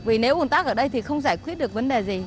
vì nếu ủn tắc ở đây thì không giải quyết được vấn đề gì